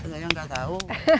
saya nggak tahu